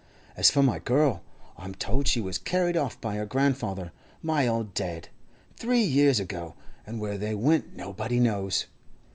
As for my girl, I'm told she was carried off by her grandfather, my old dad, three years ago, and where they went nobody knows.